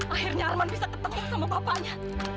akhirnya arman bisa ketemu sama papanya